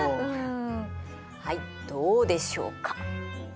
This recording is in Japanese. はいどうでしょうか？